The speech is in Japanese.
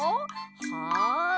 はい！